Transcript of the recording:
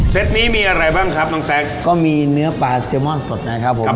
นี้มีอะไรบ้างครับน้องแซ็กก็มีเนื้อปลาเซียมอนสดนะครับผม